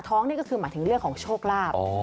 นี่ก็คือหมายถึงเรื่องของโชคลาภ